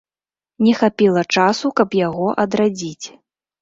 Не хапіла часу, каб яго адрадзіць.